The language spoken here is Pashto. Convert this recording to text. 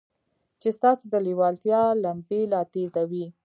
چې ستاسې د لېوالتیا لمبې لا تېزوي.